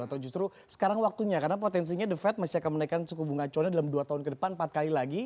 atau justru sekarang waktunya karena potensinya the fed masih akan menaikkan suku bunga acuannya dalam dua tahun ke depan empat kali lagi